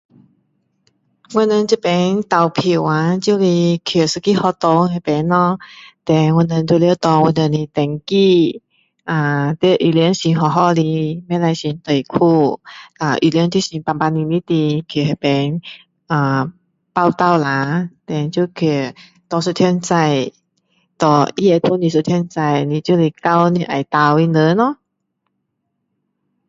我们这边投票啊就是要去学校那边咯 then 需要拿我们的登记啊要衣服穿好好的不可以穿短裤呃衣服要穿整整齐齐的去那边啊报到下呃拿一张纸他会给你一张纸就是勾你要投的人咯